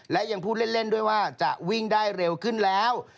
และยังพูดเล่นด้วยว่าจะวิ่งได้เร็วขึ้นแล้ว